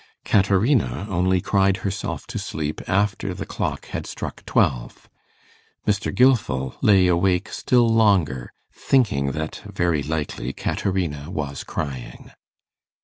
Caterina only cried herself to sleep after the clock had struck twelve. Mr. Gilfil lay awake still longer, thinking that very likely Caterina was crying.